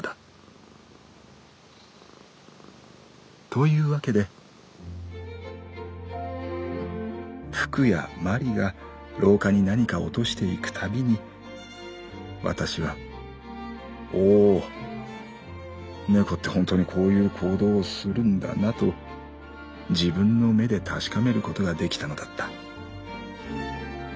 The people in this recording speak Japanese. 「というわけでふくやまりが廊下に何か落としていくたびにわたしは『おお猫って本当にこういう行動をするんだな』と自分の目で確かめることができたのだった。